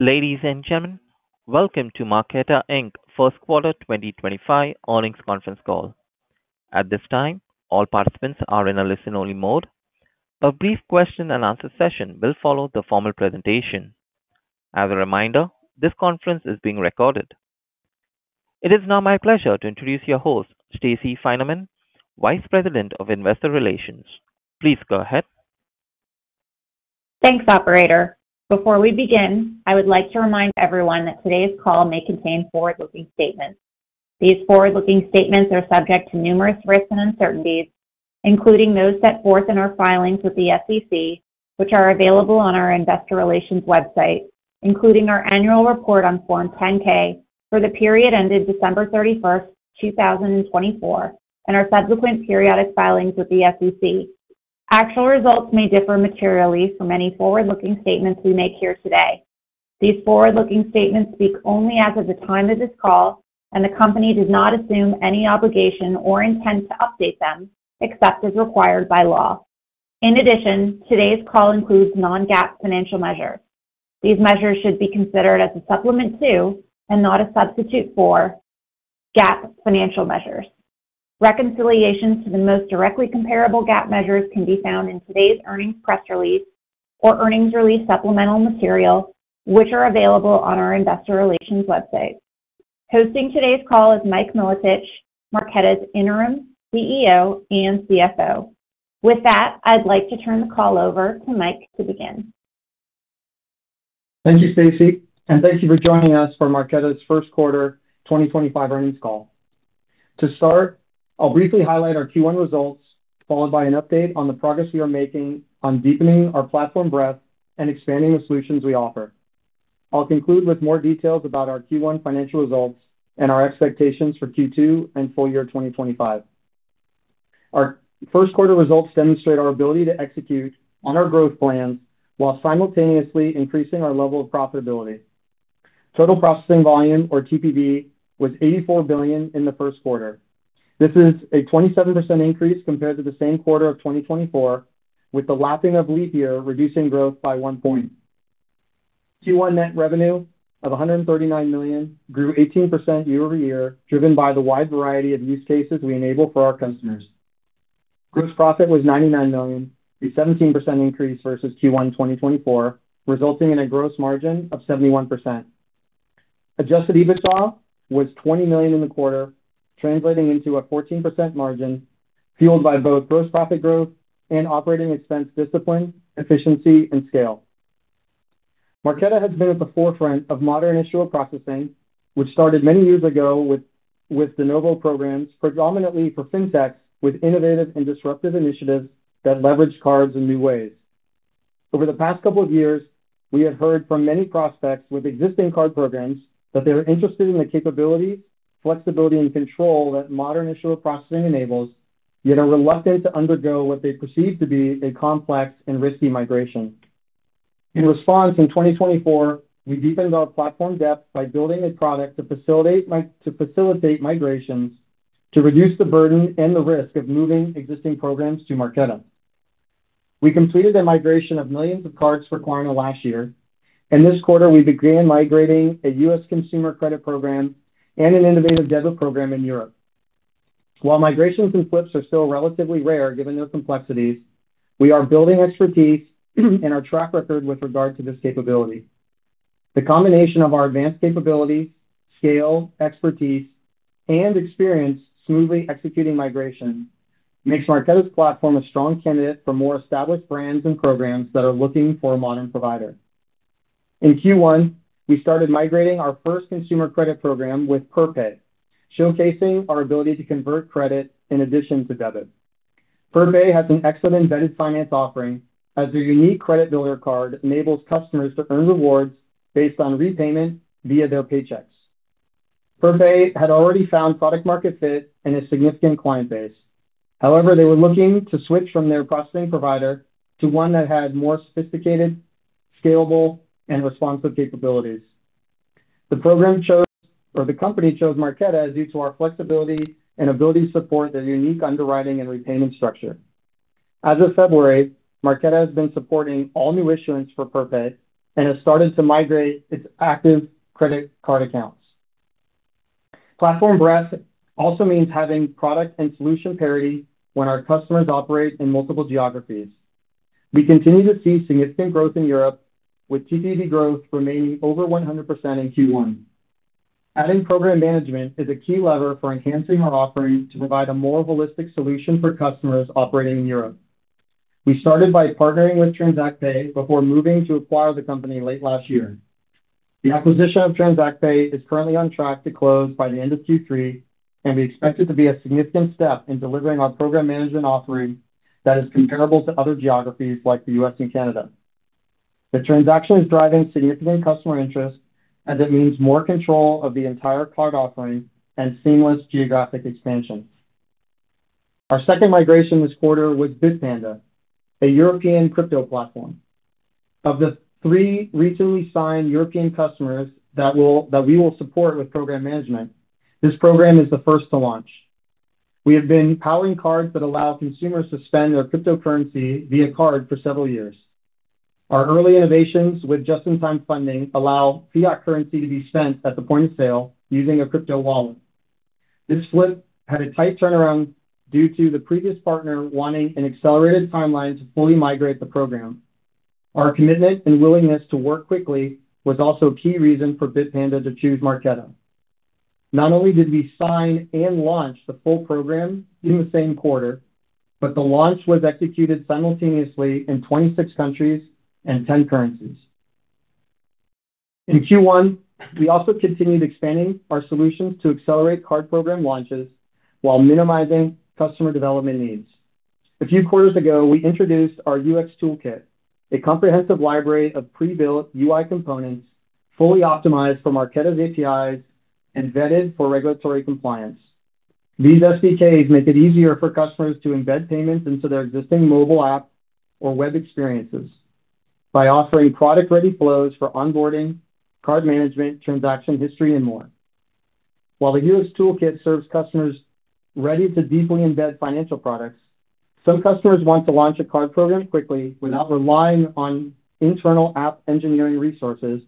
Ladies and gentlemen, welcome to Marqeta Inc fourth quarter 2025 earnings conference call. At this time, all participants are in a listen-only mode. A brief question-and-answer session will follow the formal presentation. As a reminder, this conference is being recorded. It is now my pleasure to introduce your host, Stacey Finerman, Vice President of Investor Relations. Please go ahead. Thanks, Operator. Before we begin, I would like to remind everyone that today's call may contain forward-looking statements. These forward-looking statements are subject to numerous risks and uncertainties, including those set forth in our filings with the SEC, which are available on our Investor Relations website, including our annual report on Form 10-K for the period ended December 31st, 2024, and our subsequent periodic filings with the SEC. Actual results may differ materially from any forward-looking statements we make here today. These forward-looking statements speak only as of the time of this call, and the company does not assume any obligation or intent to update them except as required by law. In addition, today's call includes non-GAAP financial measures. These measures should be considered as a supplement to and not a substitute for GAAP financial measures. Reconciliations to the most directly comparable GAAP measures can be found in today's earnings press release or earnings release supplemental material, which are available on our Investor Relations website. Hosting today's call is Mike Milotich, Marqeta's interim CEO and CFO. With that, I'd like to turn the call over to Mike to begin. Thank you, Stacey, and thank you for joining us for Marqeta's First Quarter 2025 earnings call. To start, I'll briefly highlight our Q1 results, followed by an update on the progress we are making on deepening our platform breadth and expanding the solutions we offer. I'll conclude with more details about our Q1 financial results and our expectations for Q2 and full year 2025. Our first quarter results demonstrate our ability to execute on our growth plans while simultaneously increasing our level of profitability. Total processing volume, or TPV, was $84 billion in the first quarter. This is a 27% increase compared to the same quarter of 2024, with the lapping of leap year reducing growth by one point. Q1 net revenue of $139 million grew 18% year over year, driven by the wide variety of use cases we enable for our customers. Gross profit was $99 million, a 17% increase versus Q1 2024, resulting in a gross margin of 71%. Adjusted EBITDA was $20 million in the quarter, translating into a 14% margin, fueled by both gross profit growth and operating expense discipline, efficiency, and scale. Marqeta has been at the forefront of modern issuer processing, which started many years ago with the Novo programs, predominantly for fintechs with innovative and disruptive initiatives that leverage cards in new ways. Over the past couple of years, we have heard from many prospects with existing card programs that they are interested in the capabilities, flexibility, and control that modern issuer processing enables, yet are reluctant to undergo what they perceive to be a complex and risky migration. In response, in 2024, we deepened our platform depth by building a product to facilitate migrations to reduce the burden and the risk of moving existing programs to Marqeta. We completed a migration of millions of cards for Klarna last year, and this quarter we began migrating a U.S. consumer credit program and an innovative debit program in Europe. While migrations and flips are still relatively rare given their complexities, we are building expertise and our track record with regard to this capability. The combination of our advanced capabilities, scale, expertise, and experience smoothly executing migration makes Marqeta's platform a strong candidate for more established brands and programs that are looking for a modern provider. In Q1, we started migrating our first consumer credit program with Perpay, showcasing our ability to convert credit in addition to debit. Perpay has an excellent embedded finance offering, as their unique credit builder card enables customers to earn rewards based on repayment via their paychecks. Perpay had already found product-market fit and a significant client base. However, they were looking to switch from their processing provider to one that had more sophisticated, scalable, and responsive capabilities. The company chose Marqeta due to our flexibility and ability to support their unique underwriting and repayment structure. As of February, Marqeta has been supporting all new issuance for Perpay and has started to migrate its active credit card accounts. Platform breadth also means having product and solution parity when our customers operate in multiple geographies. We continue to see significant growth in Europe, with TPV growth remaining over 100% in Q1. Adding program management is a key lever for enhancing our offering to provide a more holistic solution for customers operating in Europe. We started by partnering with TransactPay before moving to acquire the company late last year. The acquisition of TransactPay is currently on track to close by the end of Q3, and we expect it to be a significant step in delivering our program management offering that is comparable to other geographies like the U.S. and Canada. The transaction is driving significant customer interest, as it means more control of the entire card offering and seamless geographic expansion. Our second migration this quarter was Bitpanda, a European crypto platform. Of the three recently signed European customers that we will support with program management, this program is the first to launch. We have been powering cards that allow consumers to spend their cryptocurrency via card for several years. Our early innovations with just-in-time funding allow fiat currency to be spent at the point of sale using a crypto wallet. This flip had a tight turnaround due to the previous partner wanting an accelerated timeline to fully migrate the program. Our commitment and willingness to work quickly was also a key reason for Bitpanda to choose Marqeta. Not only did we sign and launch the full program in the same quarter, but the launch was executed simultaneously in 26 countries and 10 currencies. In Q1, we also continued expanding our solutions to accelerate card program launches while minimizing customer development needs. A few quarters ago, we introduced our UX Toolkit, a comprehensive library of pre-built UI components fully optimized for Marqeta's APIs and vetted for regulatory compliance. These SDKs make it easier for customers to embed payments into their existing mobile app or web experiences by offering product-ready flows for onboarding, card management, transaction history, and more. While the UX Toolkit serves customers ready to deeply embed financial products, some customers want to launch a card program quickly without relying on internal app engineering resources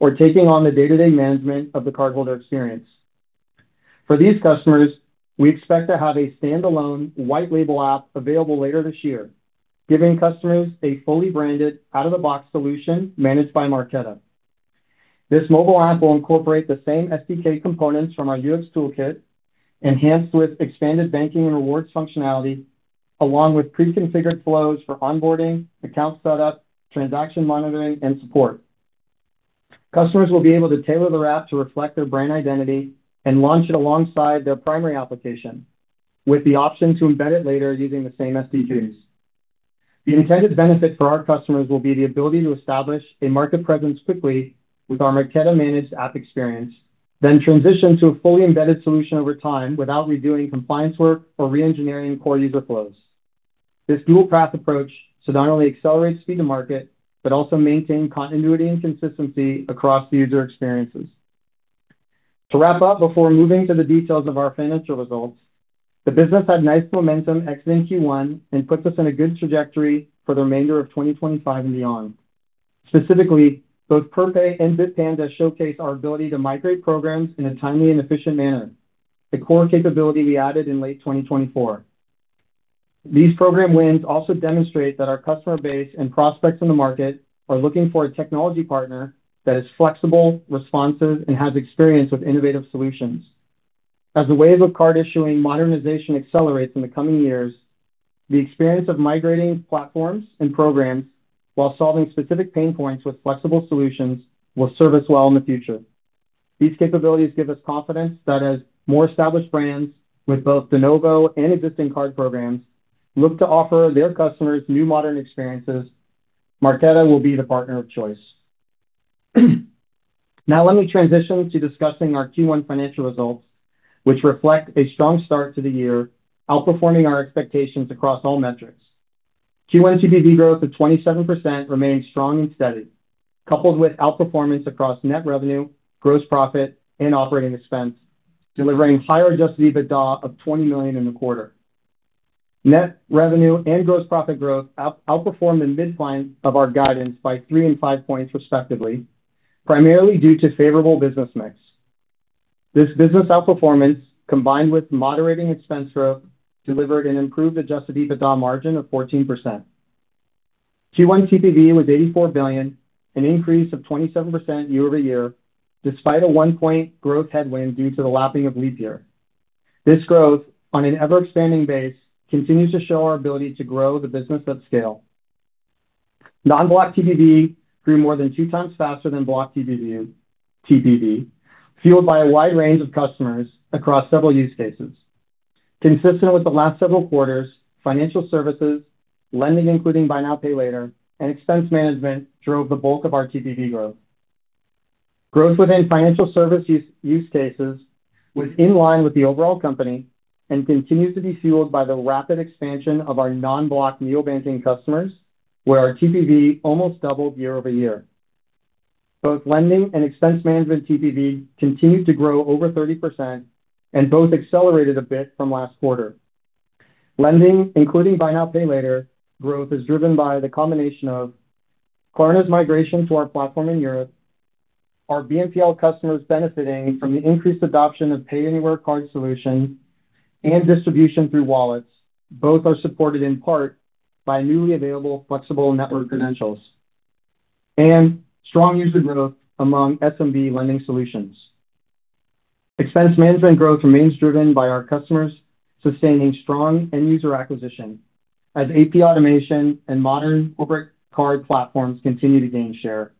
or taking on the day-to-day management of the cardholder experience. For these customers, we expect to have a standalone white-label app available later this year, giving customers a fully branded, out-of-the-box solution managed by Marqeta. This mobile app will incorporate the same SDK components from our UX Toolkit, enhanced with expanded banking and rewards functionality, along with pre-configured flows for onboarding, account setup, transaction monitoring, and support. Customers will be able to tailor their app to reflect their brand identity and launch it alongside their primary application, with the option to embed it later using the same SDKs. The intended benefit for our customers will be the ability to establish a market presence quickly with our Marqeta-managed app experience, then transition to a fully embedded solution over time without redoing compliance work or re-engineering core user flows. This dual-path approach should not only accelerate speed to market, but also maintain continuity and consistency across the user experiences. To wrap up before moving to the details of our financial results, the business had nice momentum exiting Q1 and puts us in a good trajectory for the remainder of 2025 and beyond. Specifically, both Perpay and Bitpanda showcase our ability to migrate programs in a timely and efficient manner, a core capability we added in late 2024. These program wins also demonstrate that our customer base and prospects in the market are looking for a technology partner that is flexible, responsive, and has experience with innovative solutions. As the wave of card issuing modernization accelerates in the coming years, the experience of migrating platforms and programs while solving specific pain points with flexible solutions will serve us well in the future. These capabilities give us confidence that as more established brands with both the Novo and existing card programs look to offer their customers new modern experiences, Marqeta will be the partner of choice. Now, let me transition to discussing our Q1 financial results, which reflect a strong start to the year, outperforming our expectations across all metrics. Q1 TPV growth of 27% remains strong and steady, coupled with outperformance across net revenue, gross profit, and operating expense, delivering higher Adjusted EBITDA of $20 million in the quarter. Net revenue and gross profit growth outperformed the midpoint of our guidance by three and five points respectively, primarily due to favorable business mix. This business outperformance, combined with moderating expense growth, delivered an improved Adjusted EBITDA margin of 14%. Q1 TPV was $84 billion, an increase of 27% year-over-year, despite a one-point growth headwind due to the lapping of leap year. This growth, on an ever-expanding base, continues to show our ability to grow the business at scale. Non-block TPV grew more than two times faster than block TPV, fueled by a wide range of customers across several use cases. Consistent with the last several quarters, financial services, lending, including buy now, pay later, and expense management drove the bulk of our TPV growth. Growth within financial service use cases was in line with the overall company and continues to be fueled by the rapid expansion of our non-Block neobanking customers, where our TPV almost doubled year-over-year. Both lending and expense management TPV continued to grow over 30%, and both accelerated a bit from last quarter. Lending, including buy now, pay later, growth is driven by the combination of Klarna's migration to our platform in Europe, our BNPL customers benefiting from the increased adoption of pay-anywhere card solutions, and distribution through wallets. Both are supported in part by newly available flexible network credentials and strong user growth among SMB lending solutions. Expense management growth remains driven by our customers sustaining strong end-user acquisition as AP automation and modern corporate card platforms continue to gain share.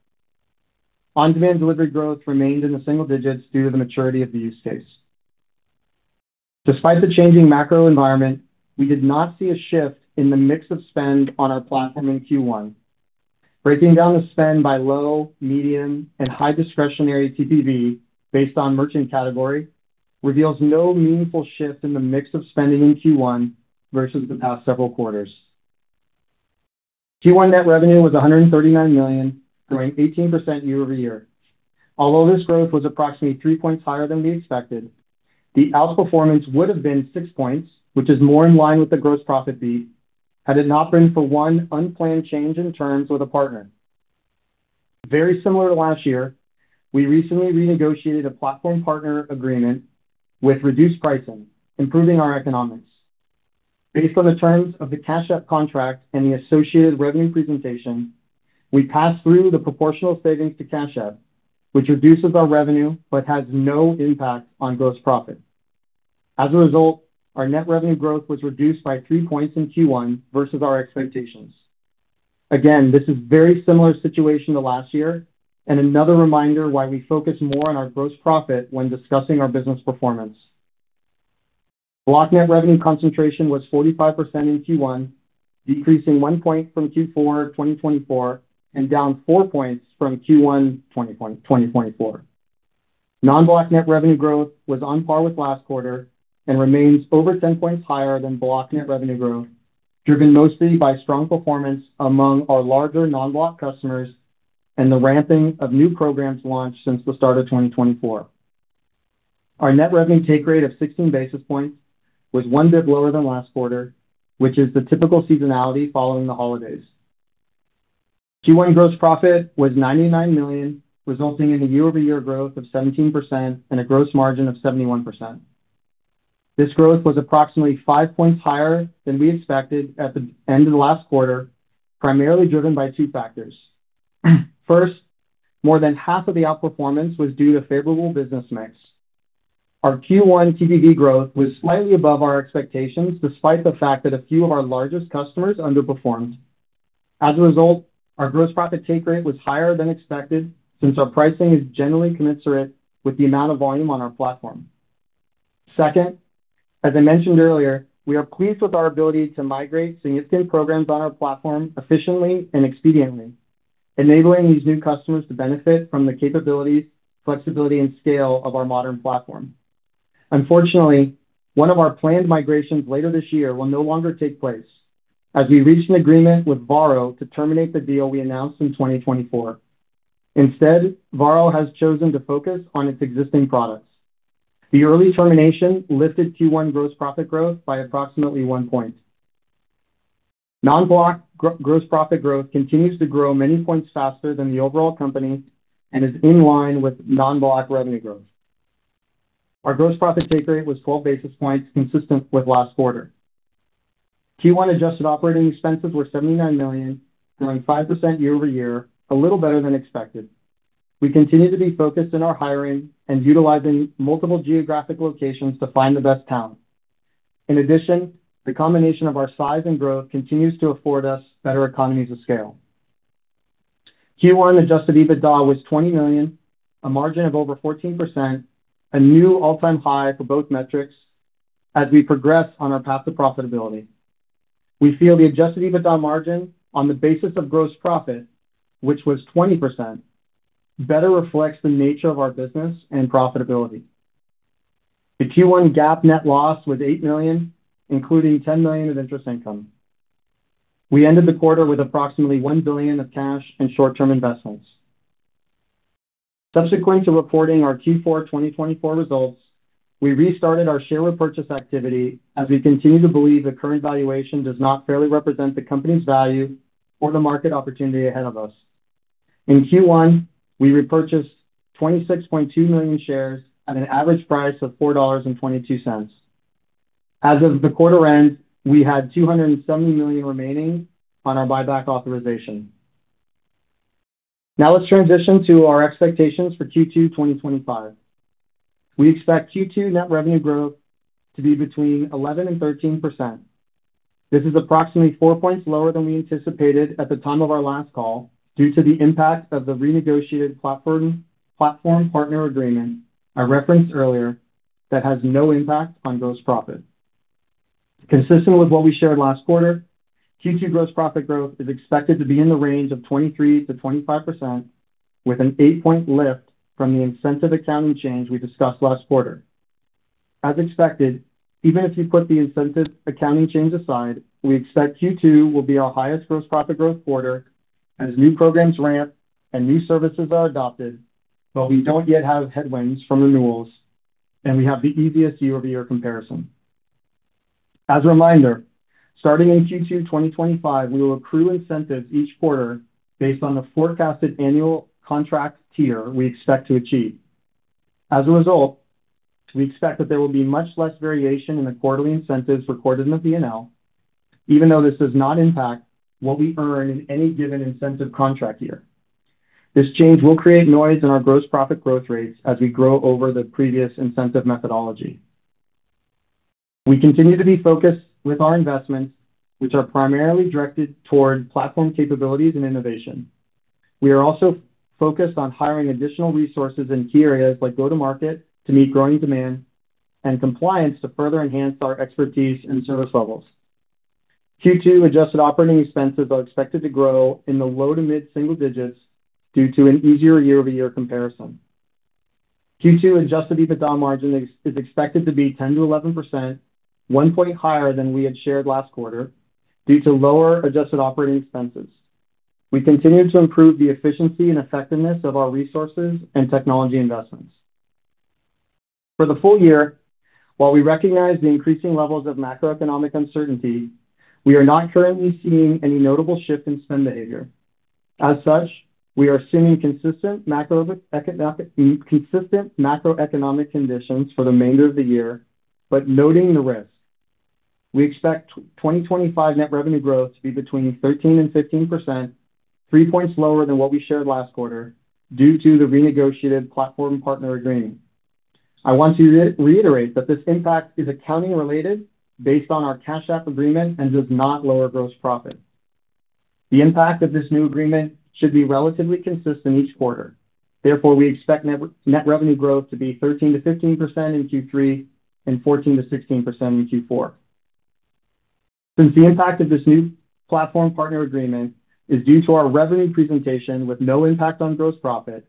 On-demand delivery growth remained in the single digits due to the maturity of the use case. Despite the changing macro environment, we did not see a shift in the mix of spend on our platform in Q1. Breaking down the spend by low, medium, and high discretionary TPV based on merchant category reveals no meaningful shift in the mix of spending in Q1 versus the past several quarters. Q1 net revenue was $139 million, growing 18% year-over-year. Although this growth was approximately three percentage points higher than we expected, the outperformance would have been six percentage points, which is more in line with the gross profit beat, had it not been for one unplanned change in terms with a partner. Very similar to last year, we recently renegotiated a platform partner agreement with reduced pricing, improving our economics. Based on the terms of the Cash App contract and the associated revenue presentation, we passed through the proportional savings to Cash App, which reduces our revenue but has no impact on gross profit. As a result, our net revenue growth was reduced by three points in Q1 versus our expectations. Again, this is a very similar situation to last year and another reminder why we focus more on our gross profit when discussing our business performance. Block net revenue concentration was 45% in Q1, decreasing one point from Q4 2024 and down four points from Q1 2024. Non-block net revenue growth was on par with last quarter and remains over 10 points higher than block net revenue growth, driven mostly by strong performance among our larger non-block customers and the ramping of new programs launched since the start of 2024. Our net revenue take rate of 16 basis points was one point lower than last quarter, which is the typical seasonality following the holidays. Q1 gross profit was $99 million, resulting in a year-over-year growth of 17% and a gross margin of 71%. This growth was approximately five points higher than we expected at the end of the last quarter, primarily driven by two factors. First, more than half of the outperformance was due to favorable business mix. Our Q1 TPV growth was slightly above our expectations, despite the fact that a few of our largest customers underperformed. As a result, our gross profit take rate was higher than expected since our pricing is generally commensurate with the amount of volume on our platform. Second, as I mentioned earlier, we are pleased with our ability to migrate significant programs on our platform efficiently and expediently, enabling these new customers to benefit from the capabilities, flexibility, and scale of our modern platform. Unfortunately, one of our planned migrations later this year will no longer take place as we reached an agreement with Varo to terminate the deal we announced in 2024. Instead, Varo has chosen to focus on its existing products. The early termination lifted Q1 gross profit growth by approximately one point. Non-Block gross profit growth continues to grow many points faster than the overall company and is in line with non-Block revenue growth. Our gross profit take rate was 12 basis points, consistent with last quarter. Q1 adjusted operating expenses were $79 million, growing 5% year over year, a little better than expected. We continue to be focused on our hiring and utilizing multiple geographic locations to find the best talent. In addition, the combination of our size and growth continues to afford us better economies of scale. Q1 Adjusted EBITDA was $20 million, a margin of over 14%, a new all-time high for both metrics as we progress on our path to profitability. We feel the adjusted EBITDA margin on the basis of gross profit, which was 20%, better reflects the nature of our business and profitability. The Q1 GAAP net loss was $8 million, including $10 million of interest income. We ended the quarter with approximately $1 billion of cash and short-term investments. Subsequent to reporting our Q4 2024 results, we restarted our share repurchase activity as we continue to believe the current valuation does not fairly represent the company's value or the market opportunity ahead of us. In Q1, we repurchased 26.2 million shares at an average price of $4.22. As of the quarter end, we had $270 million remaining on our buyback authorization. Now, let's transition to our expectations for Q2 2025. We expect Q2 net revenue growth to be between 11% and 13%. This is approximately four percentage points lower than we anticipated at the time of our last call due to the impact of the renegotiated platform partner agreement I referenced earlier that has no impact on gross profit. Consistent with what we shared last quarter, Q2 gross profit growth is expected to be in the range of 23%-25%, with an eight-point lift from the incentive accounting change we discussed last quarter. As expected, even if you put the incentive accounting change aside, we expect Q2 will be our highest gross profit growth quarter as new programs ramp and new services are adopted, but we do not yet have headwinds from renewals, and we have the easiest year-over-year comparison. As a reminder, starting in Q2 2025, we will accrue incentives each quarter based on the forecasted annual contract tier we expect to achieve. As a result, we expect that there will be much less variation in the quarterly incentives recorded in the BNPL, even though this does not impact what we earn in any given incentive contract year. This change will create noise in our gross profit growth rates as we grow over the previous incentive methodology. We continue to be focused with our investments, which are primarily directed toward platform capabilities and innovation. We are also focused on hiring additional resources in key areas like go-to-market to meet growing demand and compliance to further enhance our expertise and service levels. Q2 adjusted operating expenses are expected to grow in the low to mid single digits due to an easier year-over-year comparison. Q2 Adjusted EBITDA margin is expected to be 10%-11%, one point higher than we had shared last quarter due to lower adjusted operating expenses. We continue to improve the efficiency and effectiveness of our resources and technology investments. For the full year, while we recognize the increasing levels of macroeconomic uncertainty, we are not currently seeing any notable shift in spend behavior. As such, we are assuming consistent macroeconomic conditions for the remainder of the year, but noting the risk. We expect 2025 net revenue growth to be between 13% and 15%, three percentage points lower than what we shared last quarter due to the renegotiated platform partner agreement. I want to reiterate that this impact is accounting-related based on our Cash App agreement and does not lower gross profit. The impact of this new agreement should be relatively consistent each quarter. Therefore, we expect net revenue growth to be 13%-15% in Q3 and 14%-16% in Q4. Since the impact of this new platform partner agreement is due to our revenue presentation with no impact on gross profit,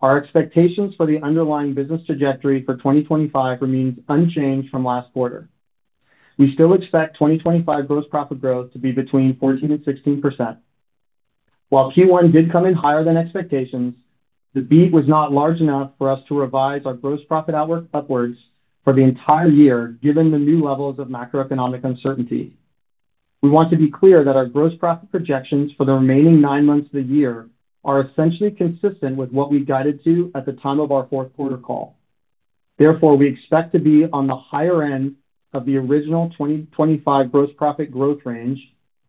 our expectations for the underlying business trajectory for 2025 remain unchanged from last quarter. We still expect 2025 gross profit growth to be between 14% and 16%. While Q1 did come in higher than expectations, the beat was not large enough for us to revise our gross profit outlook upwards for the entire year given the new levels of macroeconomic uncertainty. We want to be clear that our gross profit projections for the remaining nine months of the year are essentially consistent with what we guided to at the time of our fourth quarter call. Therefore, we expect to be on the higher end of the original 2025 gross profit growth range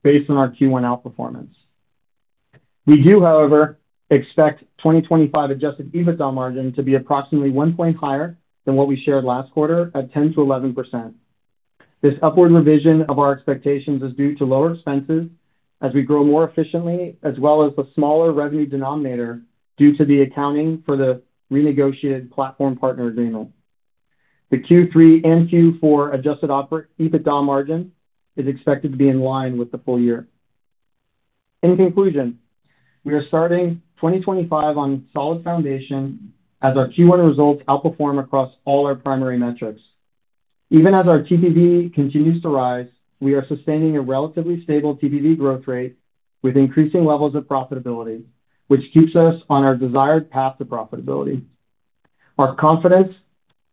based on our Q1 outperformance. We do, however, expect 2025 Adjusted EBITDA margin to be approximately one point higher than what we shared last quarter at 10%-11%. This upward revision of our expectations is due to lower expenses as we grow more efficiently, as well as the smaller revenue denominator due to the accounting for the renegotiated platform partner agreement. The Q3 and Q4 Adjusted EBITDA margin is expected to be in line with the full year. In conclusion, we are starting 2025 on a solid foundation as our Q1 results outperform across all our primary metrics. Even as our TPV continues to rise, we are sustaining a relatively stable TPV growth rate with increasing levels of profitability, which keeps us on our desired path to profitability. Our confidence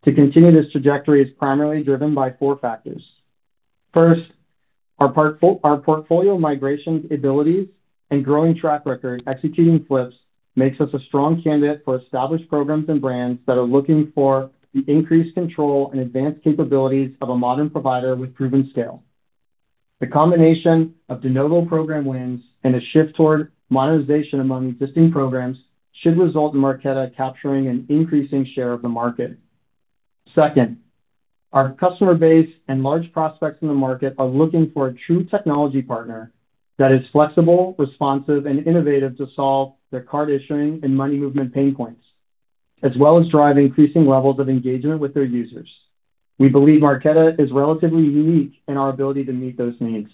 to continue this trajectory is primarily driven by four factors. First, our portfolio migration abilities and growing track record executing flips make us a strong candidate for established programs and brands that are looking for the increased control and advanced capabilities of a modern provider with proven scale. The combination of de novo program wins and a shift toward modernization among existing programs should result in Marqeta capturing an increasing share of the market. Second, our customer base and large prospects in the market are looking for a true technology partner that is flexible, responsive, and innovative to solve their card issuing and money movement pain points, as well as drive increasing levels of engagement with their users. We believe Marqeta is relatively unique in our ability to meet those needs.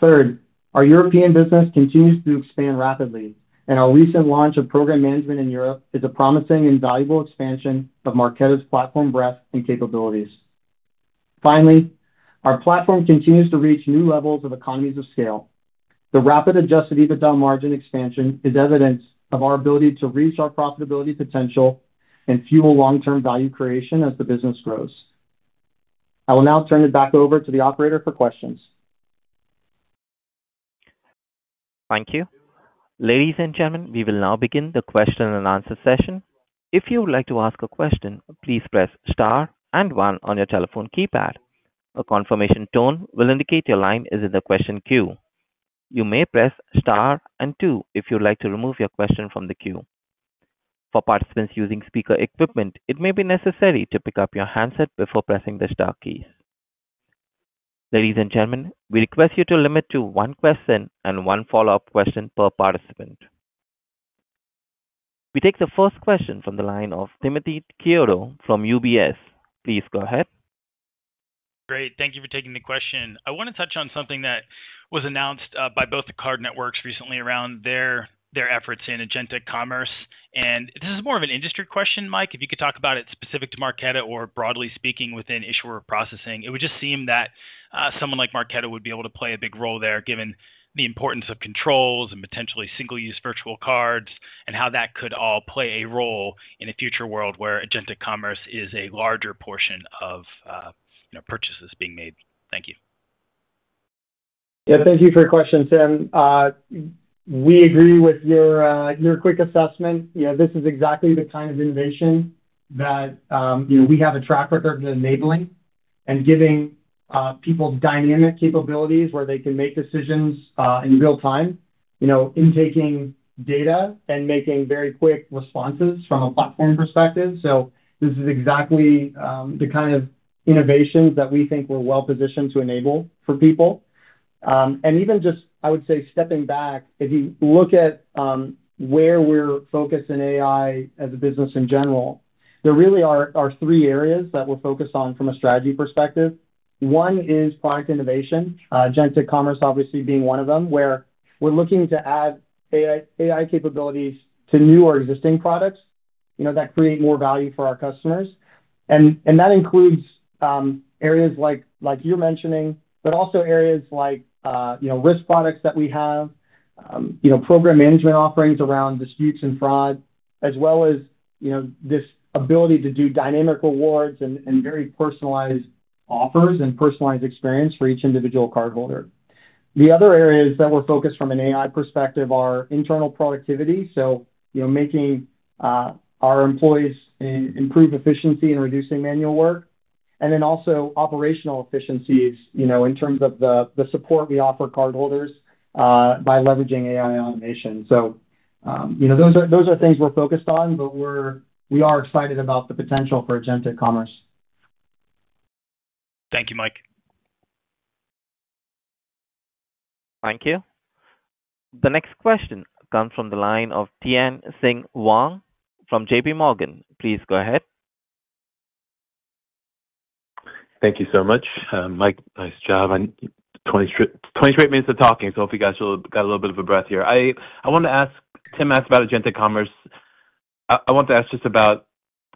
Third, our European business continues to expand rapidly, and our recent launch of program management in Europe is a promising and valuable expansion of Marqeta's platform breadth and capabilities. Finally, our platform continues to reach new levels of economies of scale. The rapid Adjusted EBITDA margin expansion is evidence of our ability to reach our profitability potential and fuel long-term value creation as the business grows. I will now turn it back over to the operator for questions. Thank you. Ladies and gentlemen, we will now begin the question and answer session. If you would like to ask a question, please press star and one on your telephone keypad. A confirmation tone will indicate your line is in the question queue. You may press star and two if you would like to remove your question from the queue. For participants using speaker equipment, it may be necessary to pick up your handset before pressing the star keys. Ladies and gentlemen, we request you to limit to one question and one follow-up question per participant. We take the first question from the line of Timothy Chiodo from UBS. Please go ahead. Great. Thank you for taking the question. I want to touch on something that was announced by both the card networks recently around their efforts in agentic commerce. This is more of an industry question, Mike. If you could talk about it specific to Marqeta or broadly speaking within issuer processing, it would just seem that someone like Marqeta would be able to play a big role there given the importance of controls and potentially single-use virtual cards and how that could all play a role in a future world where agentic commerce is a larger portion of purchases being made. Thank you. Yeah, thank you for your question, Tim. We agree with your quick assessment. This is exactly the kind of innovation that we have a track record of enabling and giving people dynamic capabilities where they can make decisions in real time, intaking data and making very quick responses from a platform perspective. This is exactly the kind of innovations that we think we're well-positioned to enable for people. Even just, I would say, stepping back, if you look at where we're focused in AI as a business in general, there really are three areas that we're focused on from a strategy perspective. One is product innovation, agentic commerce obviously being one of them, where we're looking to add AI capabilities to new or existing products that create more value for our customers. That includes areas like you're mentioning, but also areas like risk products that we have, program management offerings around disputes and fraud, as well as this ability to do dynamic rewards and very personalized offers and personalized experience for each individual cardholder. The other areas that we're focused from an AI perspective are internal productivity, so making our employees improve efficiency and reducing manual work, and then also operational efficiencies in terms of the support we offer cardholders by leveraging AI automation. So those are things we're focused on, but we are excited about the potential for agentic commerce. Thank you, Mike. Thank you. The next question comes from the line of Tien-tsin Huang from JPMorgan. Please go ahead. Thank you so much, Mike. Nice job. Twenty-eight minutes of talking, so hopefully you guys got a little bit of a breath here. I want to ask, Tim asked about agentic commerce. I want to ask just about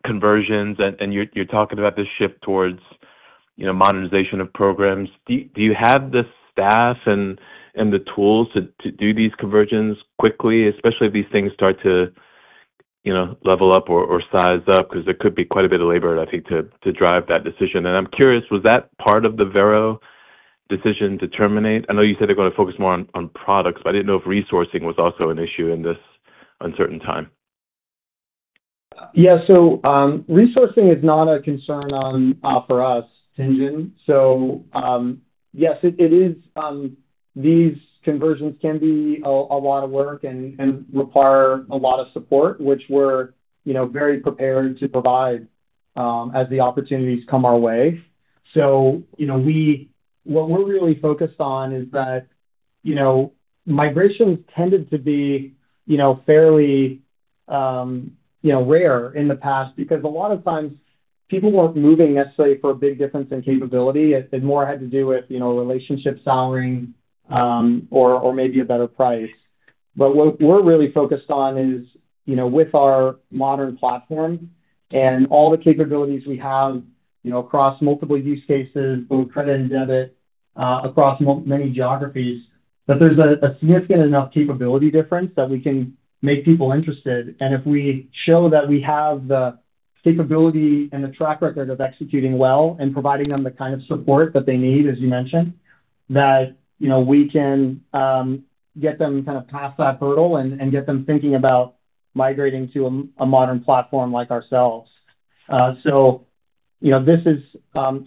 conversions, and you're talking about this shift towards modernization of programs. Do you have the staff and the tools to do these conversions quickly, especially if these things start to level up or size up? Because there could be quite a bit of labor, I think, to drive that decision. And I'm curious, was that part of the Varo decision to terminate? I know you said they're going to focus more on products, but I didn't know if resourcing was also an issue in this uncertain time. Yeah, so resourcing is not a concern for us, Tingen. So yes, it is. These conversions can be a lot of work and require a lot of support, which we're very prepared to provide as the opportunities come our way. What we're really focused on is that migrations tended to be fairly rare in the past because a lot of times people weren't moving necessarily for a big difference in capability. It more had to do with relationship souring or maybe a better price. What we're really focused on is with our modern platform and all the capabilities we have across multiple use cases, both credit and debit, across many geographies, that there's a significant enough capability difference that we can make people interested. If we show that we have the capability and the track record of executing well and providing them the kind of support that they need, as you mentioned, we can get them kind of past that hurdle and get them thinking about migrating to a modern platform like ourselves. This is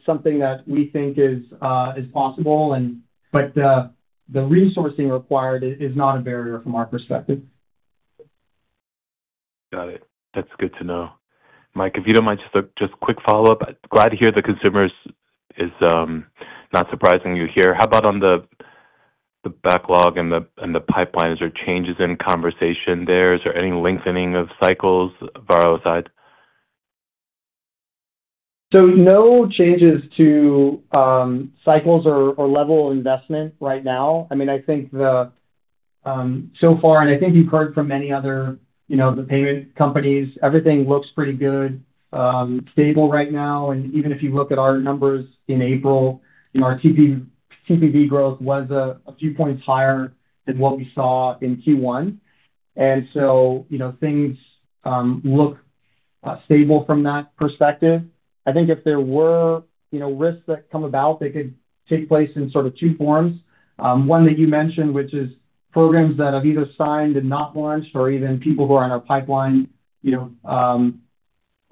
something that we think is possible, but the resourcing required is not a barrier from our perspective. Got it. That's good to know. Mike, if you do not mind, just a quick follow-up. Glad to hear the consumers is not surprising you here. How about on the backlog and the pipelines? Are there changes in conversation there? Is there any lengthening of cycles of ROI? No changes to cycles or level of investment right now. I mean, I think so far, and I think you've heard from many other payment companies, everything looks pretty good, stable right now. Even if you look at our numbers in April, our TPV growth was a few points higher than what we saw in Q1. Things look stable from that perspective. I think if there were risks that come about, they could take place in sort of two forms. One that you mentioned, which is programs that have either signed and not launched or even people who are on our pipeline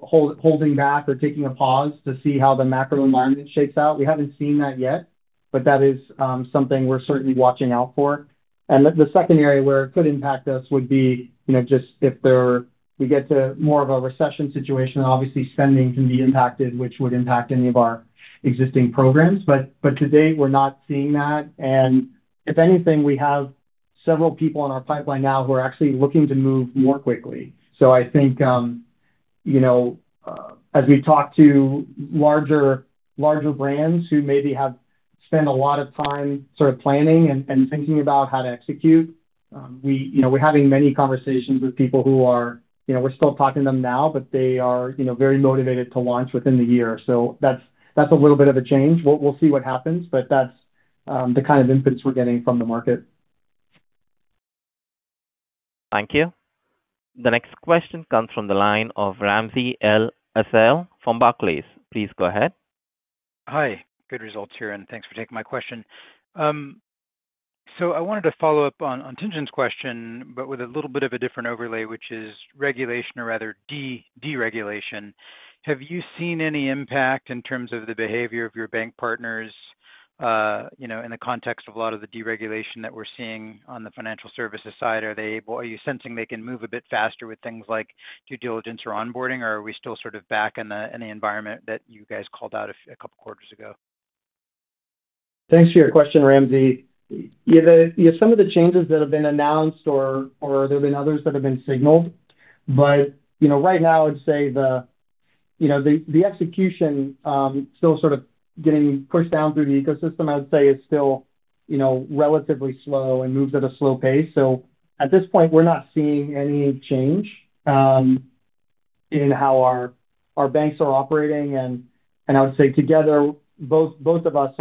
holding back or taking a pause to see how the macro environment shakes out. We haven't seen that yet, but that is something we're certainly watching out for. The second area where it could impact us would be just if we get to more of a recession situation, obviously spending can be impacted, which would impact any of our existing programs. To date, we're not seeing that. If anything, we have several people on our pipeline now who are actually looking to move more quickly. I think as we talk to larger brands who maybe have spent a lot of time sort of planning and thinking about how to execute, we're having many conversations with people who are—we're still talking to them now, but they are very motivated to launch within the year. That's a little bit of a change. We'll see what happens, but that's the kind of inputs we're getting from the market. Thank you. The next question comes from the line of Ramsey Clark Al-Assal from Barclays. Please go ahead. Hi. Good results here, and thanks for taking my question. I wanted to follow up on Tingin's question, but with a little bit of a different overlay, which is regulation, or rather deregulation. Have you seen any impact in terms of the behavior of your bank partners in the context of a lot of the deregulation that we're seeing on the financial services side? Are you sensing they can move a bit faster with things like due diligence or onboarding, or are we still sort of back in the environment that you guys called out a couple of quarters ago? Thanks for your question, Ramsey. Some of the changes that have been announced, or there have been others that have been signaled, right now, I'd say the execution still sort of getting pushed down through the ecosystem, I would say, is still relatively slow and moves at a slow pace. At this point, we're not seeing any change in how our banks are operating. I would say together, both of us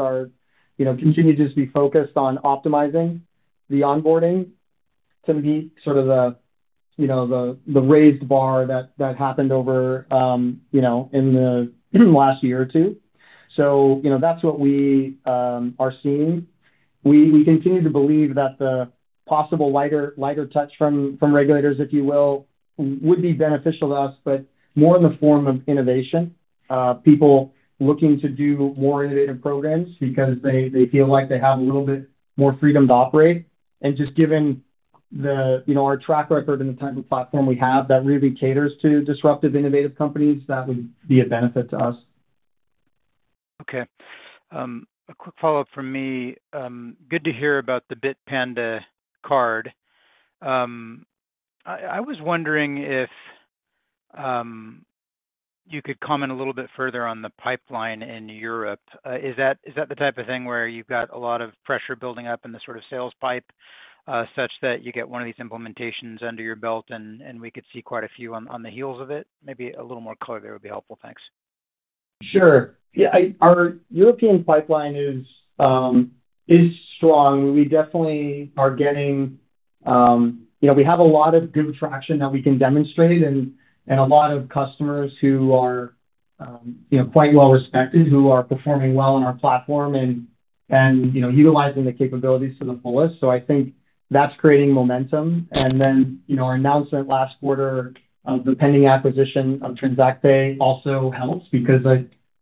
continue to just be focused on optimizing the onboarding to meet sort of the raised bar that happened over in the last year or two. That's what we are seeing. We continue to believe that the possible lighter touch from regulators, if you will, would be beneficial to us, but more in the form of innovation. People looking to do more innovative programs because they feel like they have a little bit more freedom to operate. Just given our track record and the type of platform we have that really caters to disruptive innovative companies, that would be a benefit to us. Okay. A quick follow-up from me. Good to hear about the Bitpanda card. I was wondering if you could comment a little bit further on the pipeline in Europe. Is that the type of thing where you've got a lot of pressure building up in the sort of sales pipe such that you get one of these implementations under your belt, and we could see quite a few on the heels of it? Maybe a little more color there would be helpful. Thanks. Sure. Yeah. Our European pipeline is strong. We definitely are getting—we have a lot of good traction that we can demonstrate and a lot of customers who are quite well-respected, who are performing well on our platform and utilizing the capabilities to the fullest. I think that's creating momentum. Our announcement last quarter of the pending acquisition of TransactPay also helps because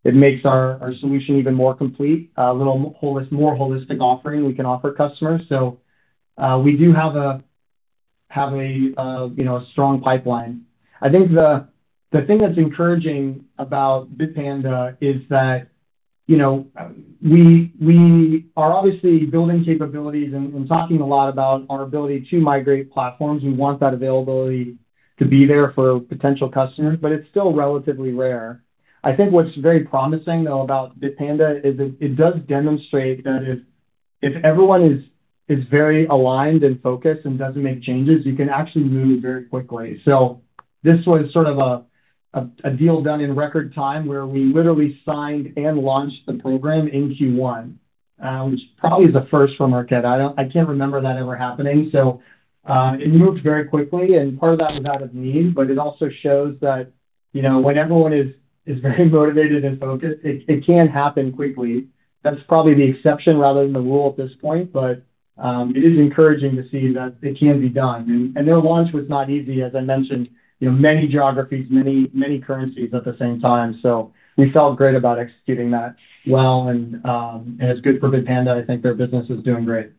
it makes our solution even more complete, a little more holistic offering we can offer customers. We do have a strong pipeline. I think the thing that's encouraging about Bitpanda is that we are obviously building capabilities and talking a lot about our ability to migrate platforms. We want that availability to be there for potential customers, but it's still relatively rare. I think what's very promising, though, about Bitpanda is that it does demonstrate that if everyone is very aligned and focused and doesn't make changes, you can actually move very quickly. This was sort of a deal done in record time where we literally signed and launched the program in Q1, which probably is a first for Marqeta. I can't remember that ever happening. It moved very quickly, and part of that was out of need, but it also shows that when everyone is very motivated and focused, it can happen quickly. That's probably the exception rather than the rule at this point, but it is encouraging to see that it can be done. Their launch was not easy, as I mentioned, many geographies, many currencies at the same time. We felt great about executing that well. As good for Bitpanda, I think their business is doing great.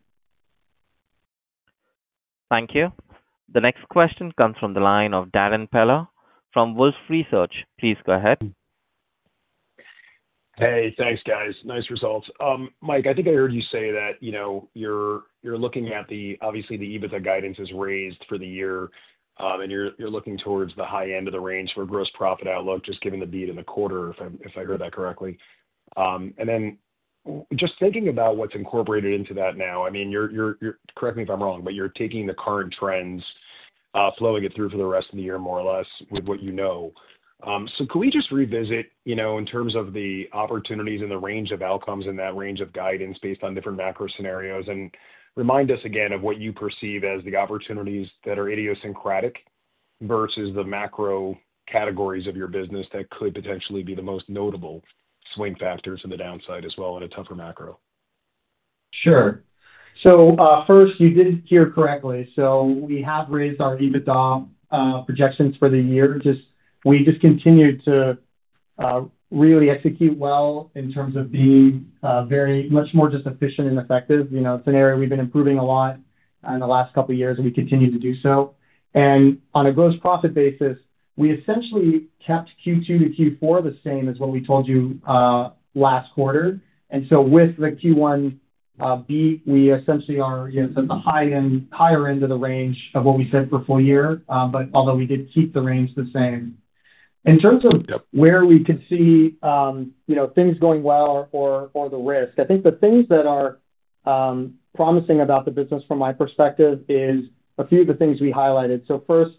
Thank you. The next question comes from the line of Darrin Peller from Wolfe Research. Please go ahead. Hey, thanks, guys. Nice results. Mike, I think I heard you say that you're looking at the—obviously, the EBITDA guidance is raised for the year, and you're looking towards the high end of the range for gross profit outlook, just given the beat in the quarter, if I heard that correctly. And then just thinking about what's incorporated into that now, I mean, correct me if I'm wrong, but you're taking the current trends, flowing it through for the rest of the year, more or less, with what you know. Can we just revisit in terms of the opportunities and the range of outcomes in that range of guidance based on different macro scenarios and remind us again of what you perceive as the opportunities that are idiosyncratic versus the macro categories of your business that could potentially be the most notable swing factors to the downside as well in a tougher macro? Sure. First, you did hear correctly. We have raised our EBITDA projections for the year. We just continue to really execute well in terms of being very much more just efficient and effective. It's an area we've been improving a lot in the last couple of years, and we continue to do so. On a gross profit basis, we essentially kept Q2-Q4 the same as what we told you last quarter. With the Q1 beat, we essentially are at the higher end of the range of what we said for full year, although we did keep the range the same. In terms of where we could see things going well or the risk, I think the things that are promising about the business from my perspective is a few of the things we highlighted. First,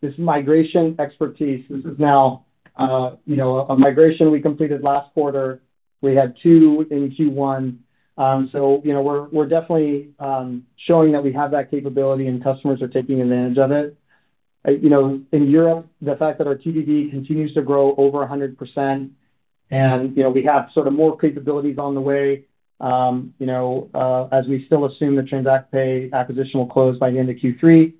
this migration expertise. This is now a migration we completed last quarter. We had two in Q1. We are definitely showing that we have that capability, and customers are taking advantage of it. In Europe, the fact that our TPV continues to grow over 100%, and we have sort of more capabilities on the way as we still assume the TransactPay acquisition will close by the end of Q3.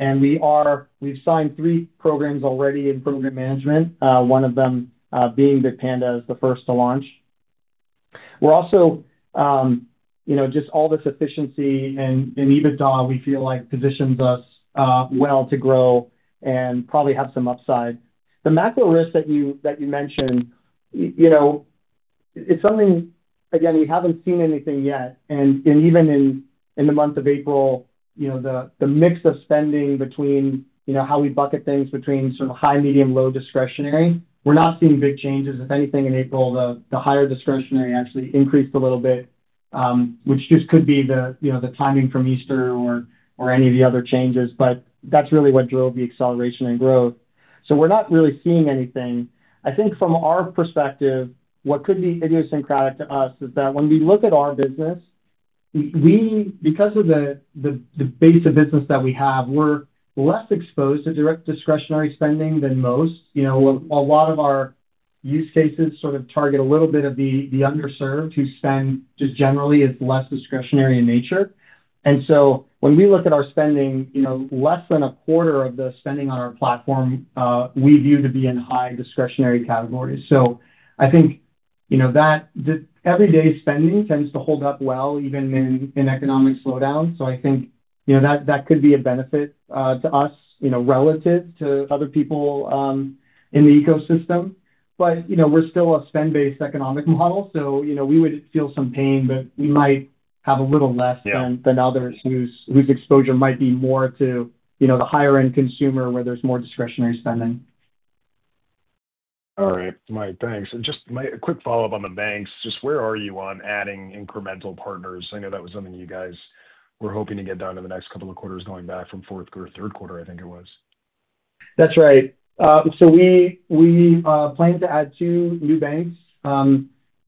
We have signed three programs already in program management, one of them being Bitpanda as the first to launch. All this efficiency and EBITDA, we feel like positions us well to grow and probably have some upside. The macro risk that you mentioned, it is something, again, we have not seen anything yet. Even in the month of April, the mix of spending between how we bucket things between sort of high, medium, low discretionary, we are not seeing big changes. If anything, in April, the higher discretionary actually increased a little bit, which just could be the timing from Easter or any of the other changes. That is really what drove the acceleration in growth. We are not really seeing anything. I think from our perspective, what could be idiosyncratic to us is that when we look at our business, because of the base of business that we have, we're less exposed to direct discretionary spending than most. A lot of our use cases sort of target a little bit of the underserved whose spend just generally is less discretionary in nature. And when we look at our spending, less than a quarter of the spending on our platform we view to be in high discretionary categories. I think that everyday spending tends to hold up well even in economic slowdowns. I think that could be a benefit to us relative to other people in the ecosystem. But we're still a spend-based economic model, so we would feel some pain, but we might have a little less than others whose exposure might be more to the higher-end consumer where there's more discretionary spending. All right. Mike, thanks. Just a quick follow-up on the banks. Just where are you on adding incremental partners? I know that was something you guys were hoping to get done in the next couple of quarters going back from fourth or third quarter, I think it was. That's right. We plan to add two new banks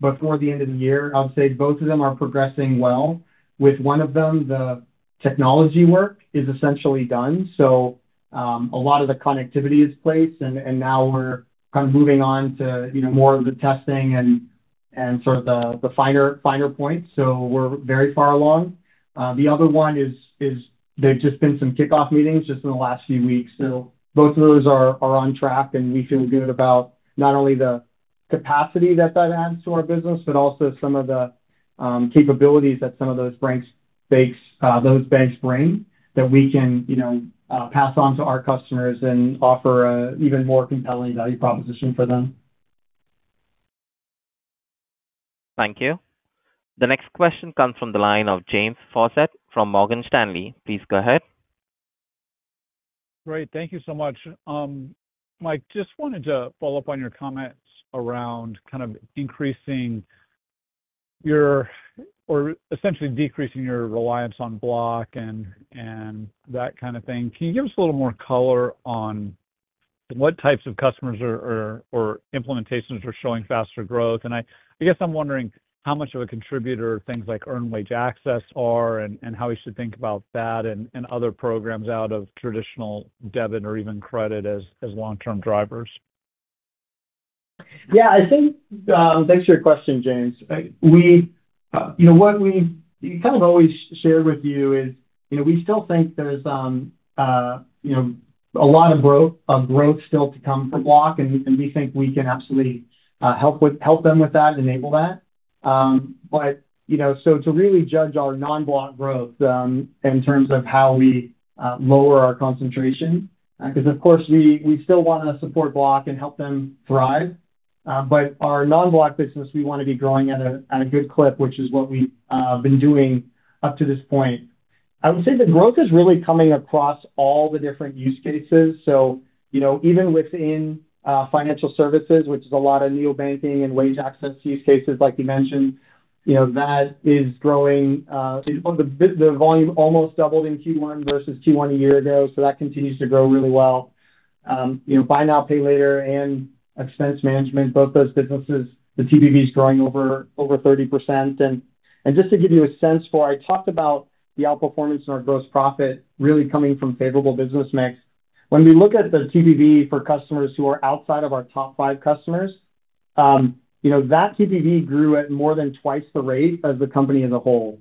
before the end of the year. I would say both of them are progressing well. With one of them, the technology work is essentially done. A lot of the connectivity is placed, and now we're kind of moving on to more of the testing and sort of the finer points. We're very far along. The other one is there have just been some kickoff meetings just in the last few weeks. Both of those are on track, and we feel good about not only the capacity that that adds to our business, but also some of the capabilities that some of those banks bring that we can pass on to our customers and offer an even more compelling value proposition for them. Thank you. The next question comes from the line of James Fawcett from Morgan Stanley. Please go ahead. Great. Thank you so much. Mike, just wanted to follow up on your comments around kind of increasing your or essentially decreasing your reliance on Block and that kind of thing. Can you give us a little more color on what types of customers or implementations are showing faster growth? I guess I'm wondering how much of a contributor things like earned wage access are and how we should think about that and other programs out of traditional debit or even credit as long-term drivers. Yeah. I think thanks for your question, James. What we kind of always shared with you is we still think there's a lot of growth still to come for Block, and we think we can absolutely help them with that and enable that. To really judge our non-Block growth in terms of how we lower our concentration, because of course, we still want to support Block and help them thrive. Our non-Block business, we want to be growing at a good clip, which is what we've been doing up to this point. I would say the growth is really coming across all the different use cases. Even within financial services, which is a lot of neobanking and wage access use cases, like you mentioned, that is growing. The volume almost doubled in Q1 versus Q1 a year ago, so that continues to grow really well. Buy now, pay later and expense management, both those businesses, the TPV is growing over 30%. Just to give you a sense for I talked about the outperformance in our gross profit really coming from favorable business mix. When we look at the TPV for customers who are outside of our top five customers, that TPV grew at more than twice the rate of the company as a whole.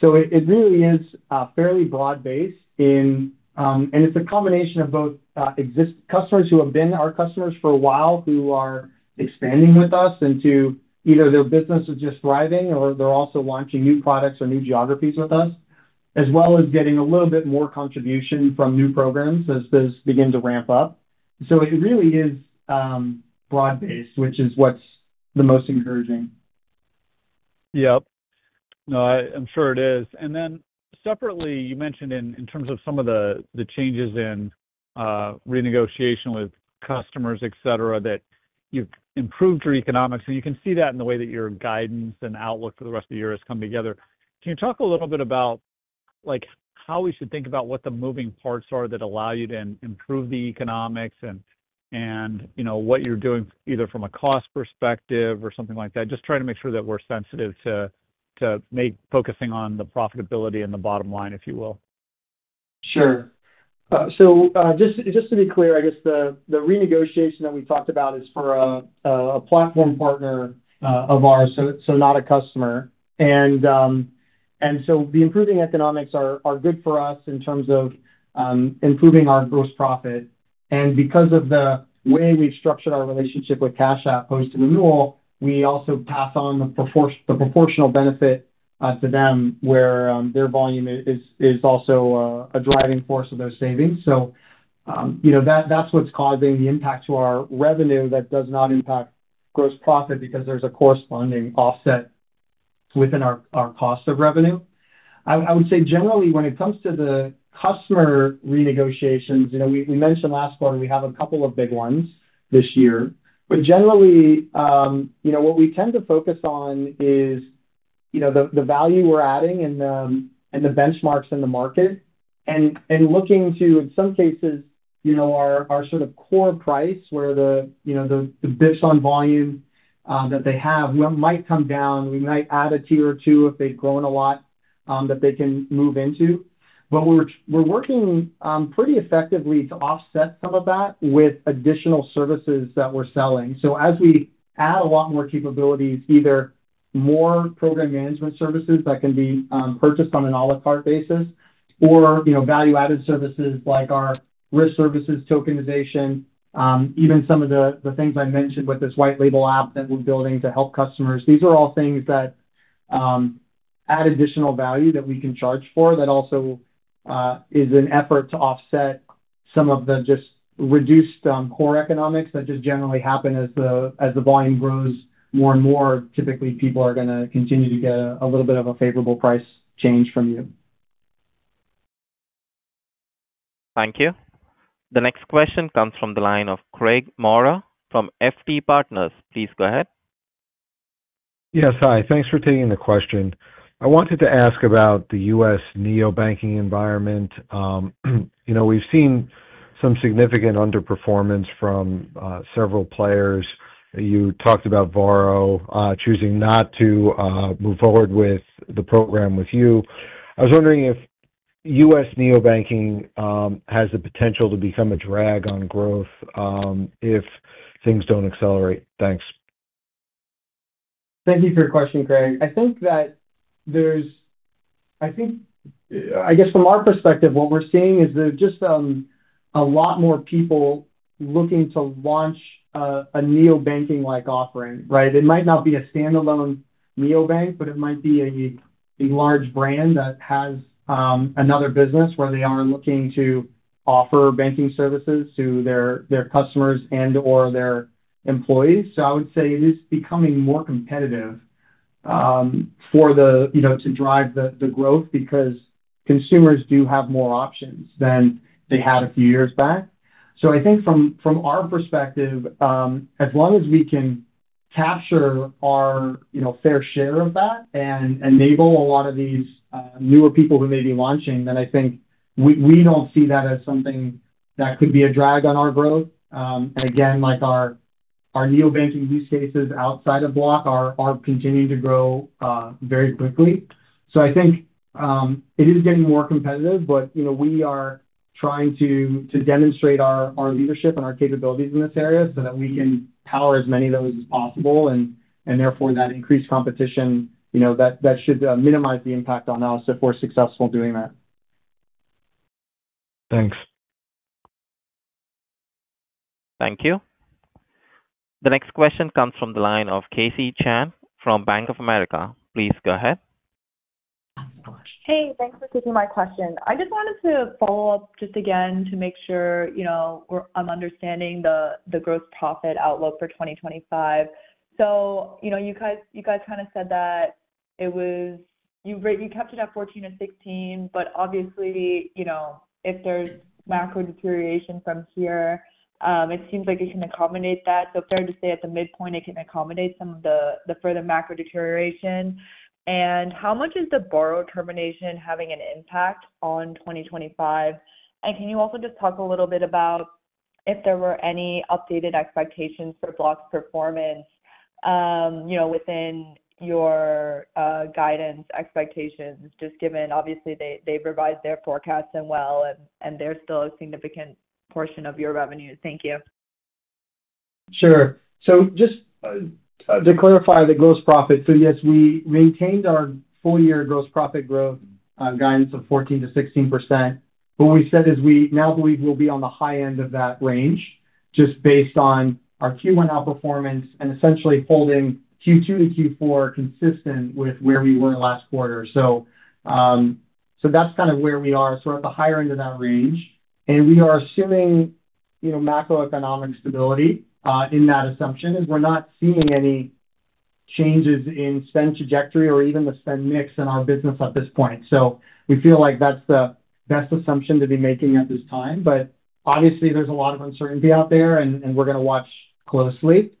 It really is fairly broad-based, and it's a combination of both customers who have been our customers for a while who are expanding with us into either their business is just thriving or they're also launching new products or new geographies with us, as well as getting a little bit more contribution from new programs as those begin to ramp up. It really is broad-based, which is what's the most encouraging. Yep. No, I'm sure it is. Then separately, you mentioned in terms of some of the changes in renegotiation with customers, etc., that you've improved your economics. You can see that in the way that your guidance and outlook for the rest of the year has come together. Can you talk a little bit about how we should think about what the moving parts are that allow you to improve the economics and what you're doing either from a cost perspective or something like that? Just trying to make sure that we're sensitive to focusing on the profitability and the bottom line, if you will. Sure. Just to be clear, I guess the renegotiation that we talked about is for a platform partner of ours, so not a customer. The improving economics are good for us in terms of improving our gross profit. Because of the way we've structured our relationship with Cash App post-renewal, we also pass on the proportional benefit to them where their volume is also a driving force of those savings. That's what's causing the impact to our revenue. That does not impact gross profit because there's a corresponding offset within our cost of revenue. I would say generally, when it comes to the customer renegotiations we mentioned last quarter, we have a couple of big ones this year. Generally, what we tend to focus on is the value we're adding and the benchmarks in the market and looking to, in some cases, our sort of core price where the bids on volume that they have might come down. We might add a tier or two if they've grown a lot that they can move into. We're working pretty effectively to offset some of that with additional services that we're selling. As we add a lot more capabilities, either more program management services that can be purchased on an à la carte basis or value-added services like our risk services, tokenization, even some of the things I mentioned with this white-label app that we're building to help customers, these are all things that add additional value that we can charge for. That also is an effort to offset some of the just reduced core economics that generally happen as the volume grows more and more. Typically, people are going to continue to get a little bit of a favorable price change from you. Thank you. The next question comes from the line of Craig Maurer from FT Partners. Please go ahead. Yes. Hi. Thanks for taking the question. I wanted to ask about the US neobanking environment. We've seen some significant underperformance from several players. You talked about Varo choosing not to move forward with the program with you. I was wondering if U.S. neobanking has the potential to become a drag on growth if things do not accelerate. Thanks. Thank you for your question, Craig. I think that there is, I guess from our perspective, what we are seeing is there is just a lot more people looking to launch a neobanking-like offering, right? It might not be a standalone neobank, but it might be a large brand that has another business where they are looking to offer banking services to their customers and/or their employees. I would say it is becoming more competitive to drive the growth because consumers do have more options than they had a few years back. I think from our perspective, as long as we can capture our fair share of that and enable a lot of these newer people who may be launching, then I think we do not see that as something that could be a drag on our growth. Again, our neobanking use cases outside of Block are continuing to grow very quickly. I think it is getting more competitive, but we are trying to demonstrate our leadership and our capabilities in this area so that we can power as many of those as possible. Therefore, that increased competition should minimize the impact on us if we are successful doing that. Thanks. Thank you. The next question comes from the line of Cassie Chan from Bank of America. Please go ahead. Hey, thanks for taking my question. I just wanted to follow up just again to make sure I'm understanding the gross profit outlook for 2025. You guys kind of said that it was you kept it at 14%-16%, but obviously, if there's macro deterioration from here, it seems like it can accommodate that. Fair to say at the midpoint, it can accommodate some of the further macro deterioration. How much is the Varo termination having an impact on 2025? Can you also just talk a little bit about if there were any updated expectations for Block performance within your guidance expectations, just given obviously they've revised their forecasts and, well, there's still a significant portion of your revenue. Thank you. Sure. Just to clarify the gross profit, yes, we maintained our four-year gross profit growth guidance of 14%-16%. What we said is we now believe we'll be on the high end of that range just based on our Q1 outperformance and essentially holding Q2-Q4 consistent with where we were last quarter. That's kind of where we are. We're at the higher end of that range. We are assuming macroeconomic stability in that assumption as we're not seeing any changes in spend trajectory or even the spend mix in our business at this point. We feel like that's the best assumption to be making at this time. Obviously, there's a lot of uncertainty out there, and we're going to watch closely.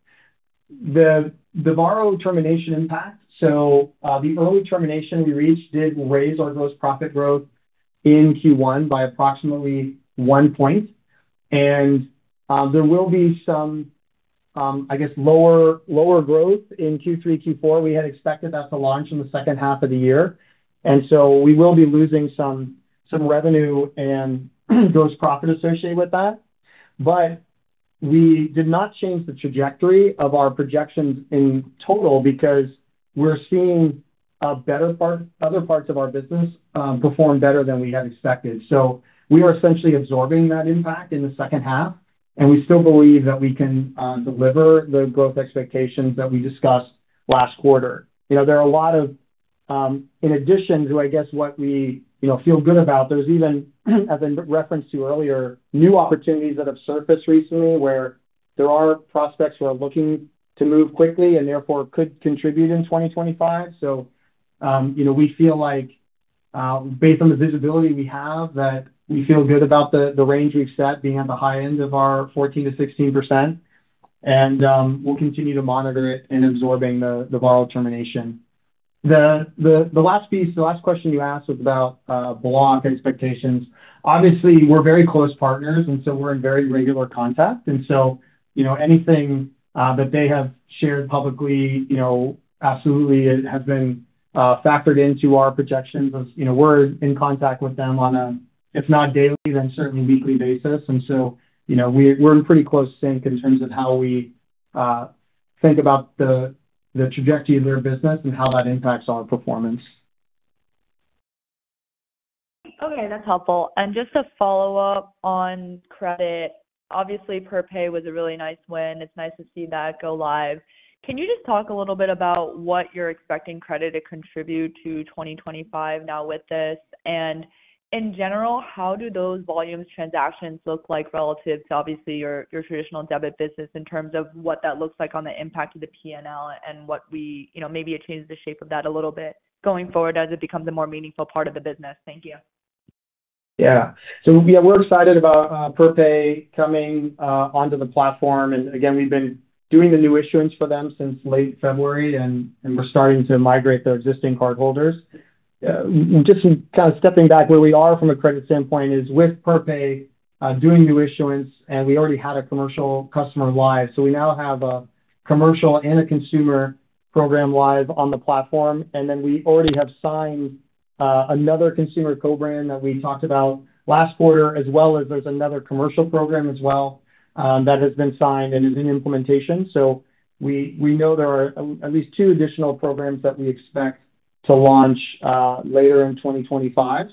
The Varo termination impact, the early termination we reached did raise our gross profit growth in Q1 by approximately one point. There will be some, I guess, lower growth in Q3, Q4. We had expected that to launch in the second half of the year. We will be losing some revenue and gross profit associated with that. We did not change the trajectory of our projections in total because we are seeing other parts of our business perform better than we had expected. We are essentially absorbing that impact in the second half, and we still believe that we can deliver the growth expectations that we discussed last quarter. There are a lot of, in addition to, I guess, what we feel good about, there is even, as I referenced to earlier, new opportunities that have surfaced recently where there are prospects who are looking to move quickly and therefore could contribute in 2025. We feel like, based on the visibility we have, that we feel good about the range we've set being at the high end of our 14-16%. We'll continue to monitor it and absorbing the Varo termination. The last piece, the last question you asked was about Block expectations. Obviously, we're very close partners, and we're in very regular contact. Anything that they have shared publicly, absolutely, it has been factored into our projections as we're in contact with them on a, if not daily, then certainly weekly basis. We're in pretty close sync in terms of how we think about the trajectory of their business and how that impacts our performance. Okay. That's helpful. Just to follow up on credit, obviously, Perpay was a really nice win. It's nice to see that go live. Can you just talk a little bit about what you're expecting credit to contribute to 2025 now with this? And in general, how do those volumes transactions look like relative, obviously, your traditional debit business in terms of what that looks like on the impact of the P&L and what we maybe it changes the shape of that a little bit going forward as it becomes a more meaningful part of the business? Thank you. Yeah. So yeah, we're excited about Perpay coming onto the platform. And again, we've been doing the new issuance for them since late February, and we're starting to migrate their existing cardholders. Just kind of stepping back, where we are from a credit standpoint is with Perpay doing new issuance, and we already had a commercial customer live. So we now have a commercial and a consumer program live on the platform. We already have signed another consumer co-brand that we talked about last quarter, as well as there's another commercial program as well that has been signed and is in implementation. We know there are at least two additional programs that we expect to launch later in 2025.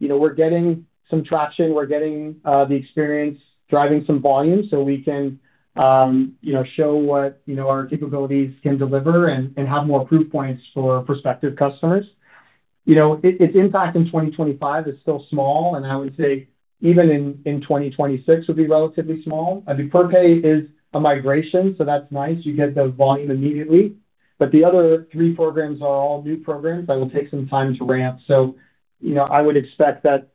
We're getting some traction. We're getting the experience driving some volume so we can show what our capabilities can deliver and have more proof points for prospective customers. Its impact in 2025 is still small, and I would say even in 2026 would be relatively small. I mean, Perpay is a migration, so that's nice. You get the volume immediately. The other three programs are all new programs. That will take some time to ramp. I would expect that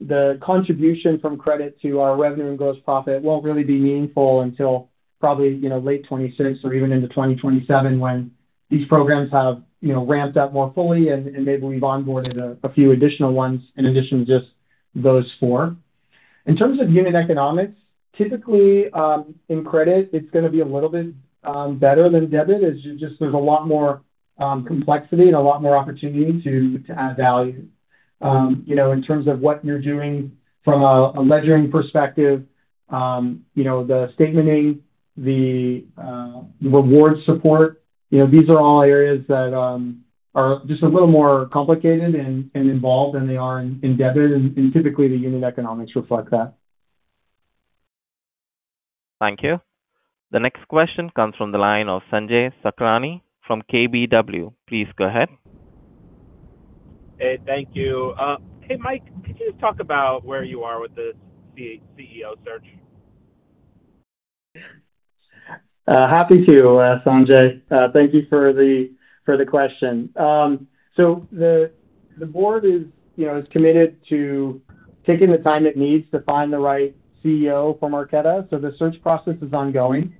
the contribution from credit to our revenue and gross profit won't really be meaningful until probably late 2026 or even into 2027 when these programs have ramped up more fully and maybe we've onboarded a few additional ones in addition to just those four. In terms of unit economics, typically in credit, it's going to be a little bit better than debit as just there's a lot more complexity and a lot more opportunity to add value. In terms of what you're doing from a ledgering perspective, the statementing, the reward support, these are all areas that are just a little more complicated and involved than they are in debit. Typically, the unit economics reflect that. Thank you. The next question comes from the line of Sanjay Sakhrani from KBW. Please go ahead. Hey, thank you. Hey, Mike, could you just talk about where you are with this CEO search? Happy to, Sanjay. Thank you for the question. The board is committed to taking the time it needs to find the right CEO for Marqeta. The search process is ongoing.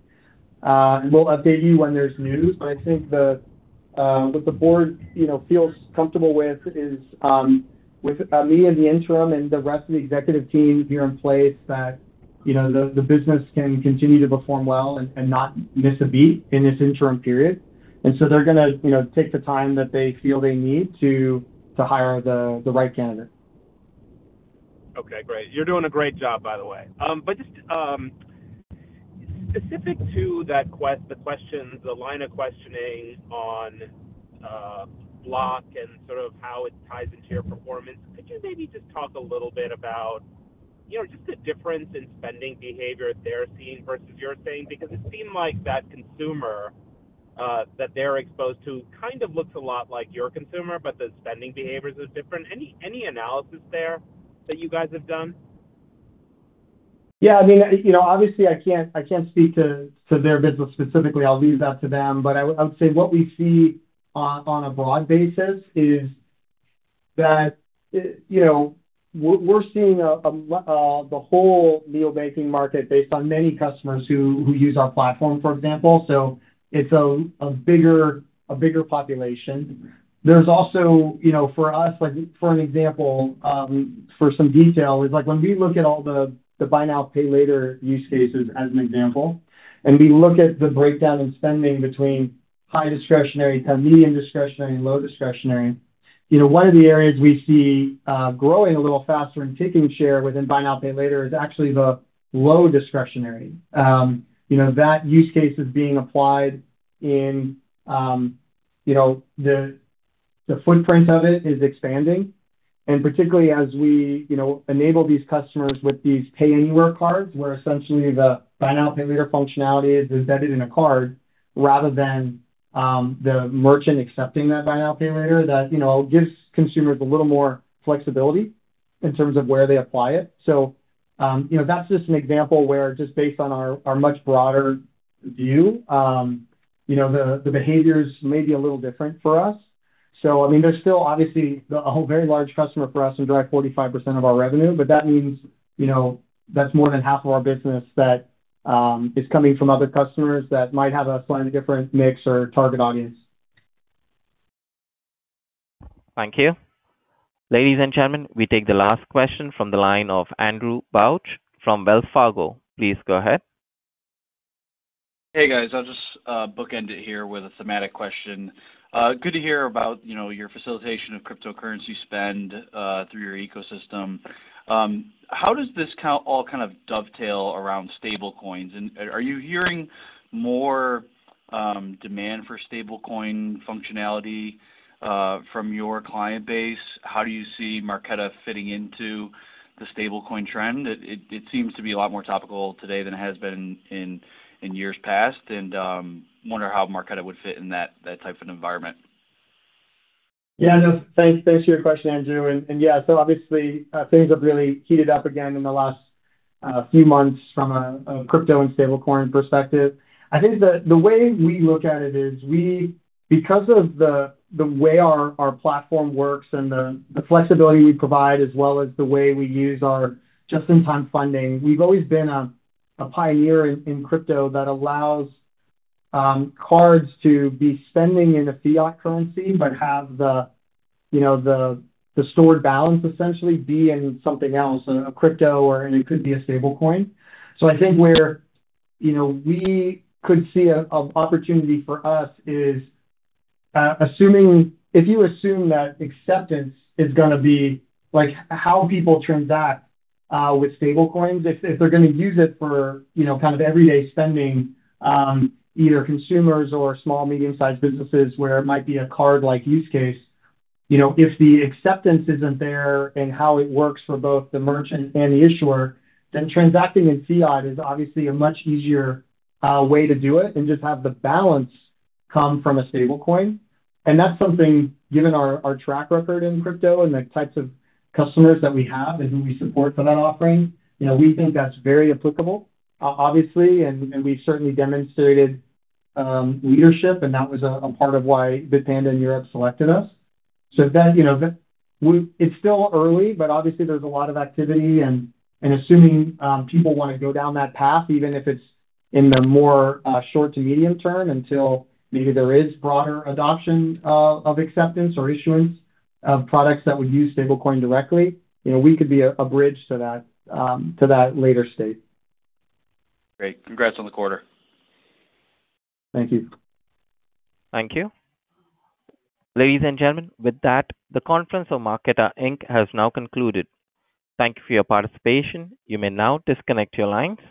We will update you when there's news. I think what the board feels comfortable with is with me in the interim and the rest of the executive team here in place that the business can continue to perform well and not miss a beat in this interim period. They are going to take the time that they feel they need to hire the right candidate. Okay. Great. You're doing a great job, by the way. Just specific to the line of questioning on Block and sort of how it ties into your performance, could you maybe just talk a little bit about the difference in spending behavior they're seeing versus you're seeing? Because it seemed like that consumer that they're exposed to kind of looks a lot like your consumer, but the spending behavior is different. Any analysis there that you guys have done? Yeah. I mean, obviously, I can't speak to their business specifically. I'll leave that to them. I would say what we see on a broad basis is that we're seeing the whole neobanking market based on many customers who use our platform, for example. It's a bigger population. There's also for us, for an example, for some detail, is when we look at all the buy now, pay later use cases as an example, and we look at the breakdown in spending between high discretionary, kind of medium discretionary, and low discretionary, one of the areas we see growing a little faster and taking share within buy now, pay later is actually the low discretionary. That use case is being applied and the footprint of it is expanding. Particularly as we enable these customers with these pay-anywhere cards where essentially the buy now, pay later functionality is embedded in a card rather than the merchant accepting that buy now, pay later, that gives consumers a little more flexibility in terms of where they apply it. That's just an example where just based on our much broader view, the behaviors may be a little different for us. I mean, there's still obviously a very large customer for us and drive 45% of our revenue. That means that's more than half of our business that is coming from other customers that might have a slightly different mix or target audience. Thank you. Ladies and gentlemen, we take the last question from the line of Andrew Butch from Wells Fargo. Please go ahead. Hey, guys. I'll just bookend it here with a thematic question. Good to hear about your facilitation of cryptocurrency spend through your ecosystem. How does this all kind of dovetail around stablecoins? Are you hearing more demand for stablecoin functionality from your client base? How do you see Marqeta fitting into the stablecoin trend? It seems to be a lot more topical today than it has been in years past. I wonder how Marqeta would fit in that type of environment. Yeah. Thanks for your question, Andrew. Yeah, obviously, things have really heated up again in the last few months from a crypto and stablecoin perspective. I think the way we look at it is because of the way our platform works and the flexibility we provide as well as the way we use our just-in-time funding, we've always been a pioneer in crypto that allows cards to be spending in a fiat currency but have the stored balance essentially be in something else, a crypto, or it could be a stablecoin. I think where we could see an opportunity for us is if you assume that acceptance is going to be how people transact with stablecoins, if they're going to use it for kind of everyday spending, either consumers or small, medium-sized businesses where it might be a card-like use case, if the acceptance isn't there and how it works for both the merchant and the issuer, then transacting in fiat is obviously a much easier way to do it and just have the balance come from a stablecoin. That's something, given our track record in crypto and the types of customers that we have and who we support for that offering, we think that's very applicable, obviously. We've certainly demonstrated leadership, and that was a part of why Bitpanda in Europe selected us. It's still early, but obviously, there's a lot of activity. Assuming people want to go down that path, even if it's in the more short to medium term until maybe there is broader adoption of acceptance or issuance of products that would use stablecoin directly, we could be a bridge to that later state. Great. Congrats on the quarter. Thank you. Thank you. Ladies and gentlemen, with that, the conference of Marqeta has now concluded. Thank you for your participation. You may now disconnect your lines.